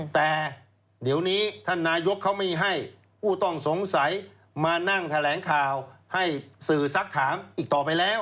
แต่เดี๋ยวนี้ท่านนายกเขาไม่ให้ผู้ต้องสงสัยมานั่งแถลงข่าวให้สื่อสักถามอีกต่อไปแล้ว